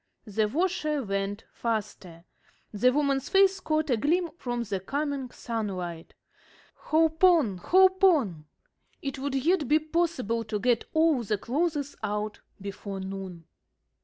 The washer went faster. The woman's face caught a gleam from the coming sunlight. "Hope on! Hope on!" It would yet be possible to get all the clothes out before noon.